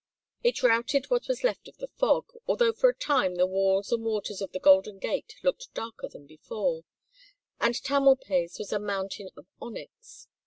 It routed what was left of the fog, although for a time the walls and waters of the Golden Gate looked darker than before, and Tamalpais was a mountain of onyx.